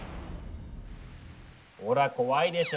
ほら怖いでしょ？